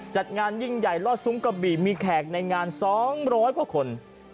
จัดงานยิ่งใหญ่รอดซุ้มกะบี่มีแขกในงาน๒๐๐กว่าคน